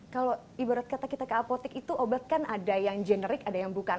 kalau ibarat kata kita ke apotik itu obat kan ada yang generik ada yang bukan